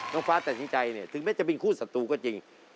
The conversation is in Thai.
น้องฟาสแต่สินใจเนี่ยถึงไม่จะเป็นคู่สัตว์ตัวก็จริง